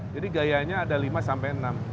jadi gayanya ada lima sampai enam